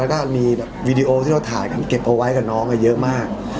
แล้วก็มีวีดีโอที่เราถ่ายกันเก็บเอาไว้กับน้องเยอะมาก